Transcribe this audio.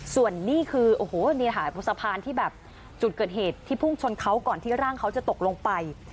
ส่วนนี่คือโอ้โหนี่ค่ะบนสะพานที่แบบจุดเกิดเหตุที่พุ่งชนเขาก่อนที่ร่างเขาจะตกลงไป